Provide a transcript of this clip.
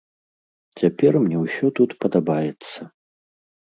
Цяпер мне ўсё тут падабаецца.